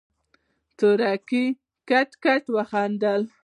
تورکي کټ کټ وخندل.